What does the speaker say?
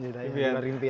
di luar rimpian